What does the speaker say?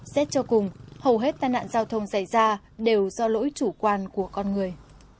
xét cho cùng hầu hết tai nạn giao thông xảy ra đều do lỗi chủ quan của con người